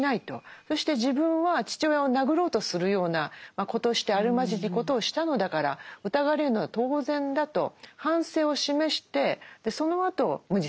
そして自分は父親を殴ろうとするような子としてあるまじきことをしたのだから疑われるのは当然だと反省を示してそのあと無実を主張する。